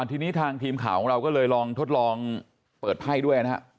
ทีนี้ทางทีมข่าวของเราก็เลยลองทดลองเปิดไพ่ด้วยนะครับ